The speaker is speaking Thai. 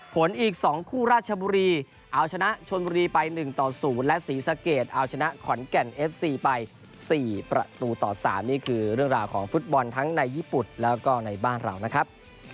ผลอีก๒คู่ราชบุรีเอาชนะชนบุรีไป๑ต่อ๐และศรีสะเกดเอาชนะขอนแก่นเอฟซีไป๔ประตูต่อ๓นี่คือเรื่องราวของฟุตบอลทั้งในญี่ปุ่นแล้วก็ในบ้านเรานะครับ